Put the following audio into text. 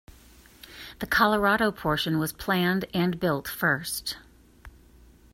The Colorado portion was planned and built first.